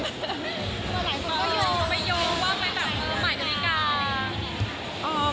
ก็ยกไม่ยกว่าไปทำงานใหม่กริกา